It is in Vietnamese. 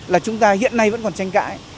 là chúng ta hiện nay vẫn còn tranh cãi